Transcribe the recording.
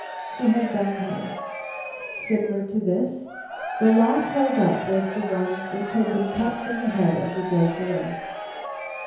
"She had brown hair." "Similar to this?" The lock held up was the one which had been cut from the head of the dead girl.